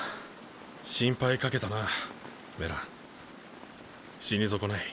心配かけたなメラン死に損ない。